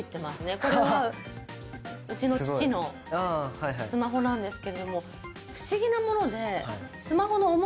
これはうちの父のスマホなんですけれども不思議なもので。